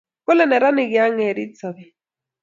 kole neranik kiang'erit sobet